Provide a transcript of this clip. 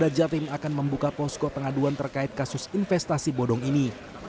polda jatim akan membuka posko pengaduan terkait kasus investasi bodong ini